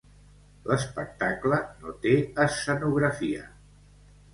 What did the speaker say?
L'espectacle no té escenografia.